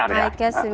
memang besar ya